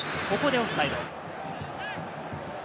ここでオフサイド。